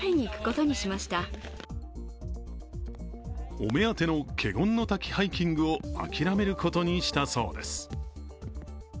お目当ての華厳の滝ハイキングを諦めることにしたそうです。